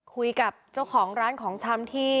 คุยกับเจ้าของร้านของชำที่